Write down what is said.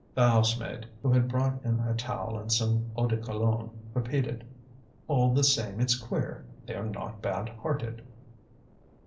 The housemaid, who had brought in a towel and some eau de Cologne, repeated: "All the same it's queer, they're not bad hearted."